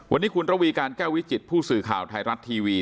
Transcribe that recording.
วันนี้คุณระวีการแก้ววิจิตผู้สื่อข่าวไทยรัฐทีวี